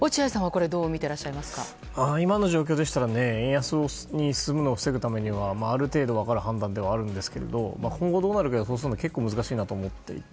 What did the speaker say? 今の状況なら円安に進むのを防ぐためにはある程度、分かる判断ではあるんですが今後どうなるか、予想するの難しいなと思っていて。